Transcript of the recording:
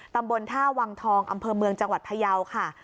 ตำบลท่าวังทองอำเภอเมืองจังหวัดพยาวค่ะ